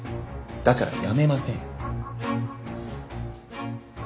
だから辞めません。